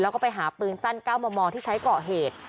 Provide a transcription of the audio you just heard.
แล้วก็ไปหาปืนสั้นเก้ามามองที่ใช้เกาะเหตุ